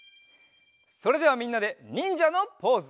それではみんなでにんじゃのポーズ。